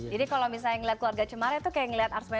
jadi kalau misalnya ngeliat keluarga cemara itu kayak ngeliat arswendo